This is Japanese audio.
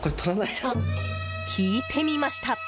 聞いてみました。